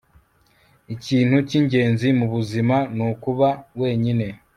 ikintu cyingenzi mubuzima nukuba wenyine